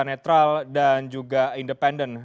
netral dan juga independen